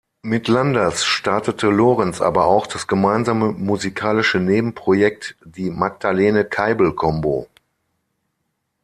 Mit Landers startete Lorenz aber auch das gemeinsame musikalische Nebenprojekt "Die Magdalene Keibel Combo".